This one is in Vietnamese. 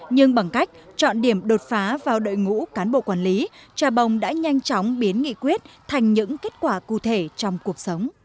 nhưng bằng cách chọn điểm đột phá vào đội ngũ cán bộ quản lý trà bồng đã nhanh chóng biến nghị quyết thành những kết quả cụ thể trong cuộc sống